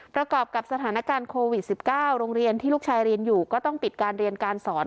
ประกอบกับสถานการณ์โควิด๑๙โรงเรียนที่ลูกชายเรียนอยู่ก็ต้องปิดการเรียนการสอน